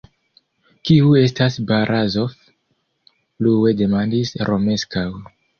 Kiu estas Barazof? plue demandis Romeskaŭ.